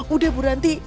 udah bu ranti